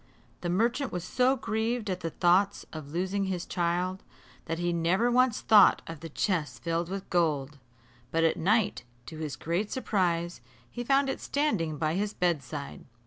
The merchant was so grieved at the thoughts of losing his child, that he never once thought of the chest filled with gold; but at night, to his great surprise, he found it standing by his bedside.